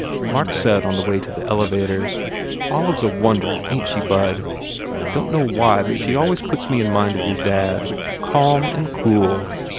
Mark said on the way to the elevators, "Olive s a wonder, ain t she, bud? Don t know why but she always puts me in mind of your dad. Calm and cool.